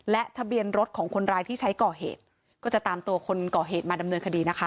และทะเบียนรถของคนร้ายที่ใช้ก่อเหตุก็จะตามตัวคนก่อเหตุมาดำเนินคดีนะคะ